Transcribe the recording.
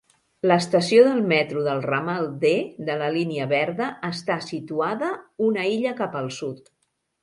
L'estació del metro del ramal "D" de la línia verda està situada una illa cap al sud.